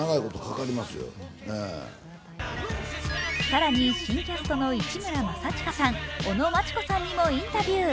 更に新キャストの市村正親さん尾野真千子さんにもインタビュー。